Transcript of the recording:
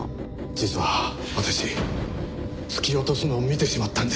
実は私突き落とすのを見てしまったんです。